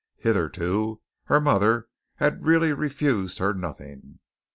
Hitherto, her mother had really refused her nothing.